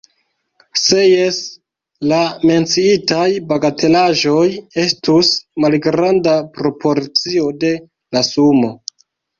Se jes, la menciitaj bagatelaĵoj estus malgranda proporcio de la sumo.